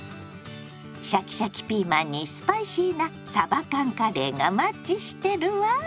シャキシャキピーマンにスパイシーなさば缶カレーがマッチしてるわ。